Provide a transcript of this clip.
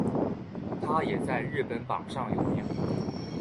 它也在日本榜上有名。